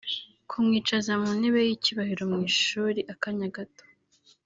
kumwicaza mu ntebe y’icyubahiro mu ishuri akanya gato